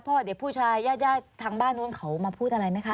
พ่อเด็กผู้ชายได้พูดอะไรมั้ยคะ